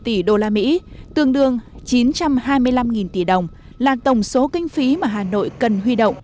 ba mươi bảy tỷ đô la mỹ tương đương chín trăm hai mươi năm tỷ đồng là tổng số kinh phí mà hà nội cần huy động